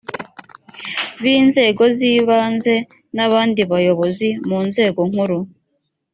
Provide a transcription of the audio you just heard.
b inzego z ibanze n abandi bayobozi mu nzego nkuru